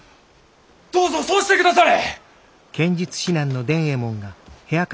どうぞそうして下され！